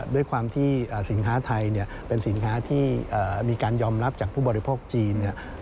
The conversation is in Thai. ด้วยความที่สินค้าไทยเป็นสินค้าที่มีการยอมรับจากผู้บริโภคจีน